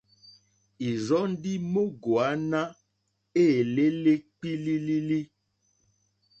Ìrzɔ́ ndí móŋɡòáná éělélé kpílílílí.